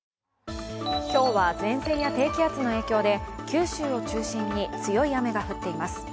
今日は前線や低気圧の影響で九州を中心に強い雨が降っています。